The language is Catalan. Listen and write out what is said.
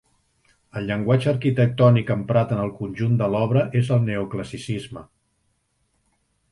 El llenguatge arquitectònic emprat en el conjunt de l'obra és el Neoclassicisme.